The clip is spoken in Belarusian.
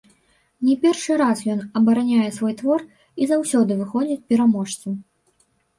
Не першы раз ён абараняе свой твор і заўсёды выходзіць пераможцам.